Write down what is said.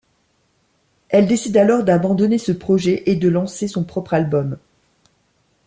Elle décide alors d'abandonner ce projet et de lancer son propre album.